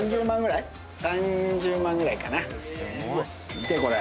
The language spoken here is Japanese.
見てこれ。